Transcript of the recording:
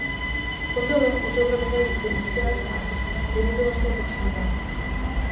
Con todo, o seu propio país beneficiábase máis, debido á súa proximidade.